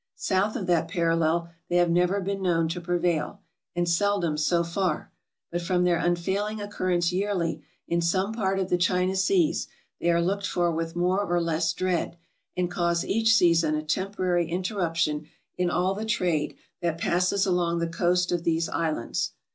South of that parallel they have never been known to prevail, and seldom so far ; but from their unfailing occurrence yearly in some part of the China seas, they are looked for with more or less dread, and cause each season a temporary interrup tion in all the trade that passes along the coast of these islands.